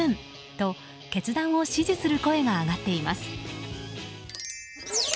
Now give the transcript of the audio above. と、決断を支持する声が上がっています。